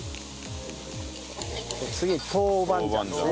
次に豆板醤ですね。